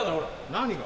何が？